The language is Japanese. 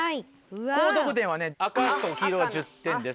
高得点はね赤と黄色１０点です。